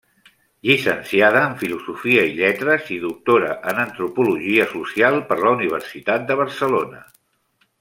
Llicenciada en filosofia i lletres i doctora en antropologia social per la Universitat de Barcelona.